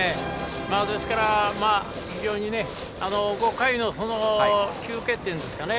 ですから、非常に５回の休憩というんですかね